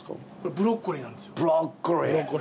ブロッコリーなんですよ。